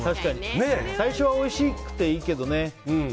最初はおいしくていいけどね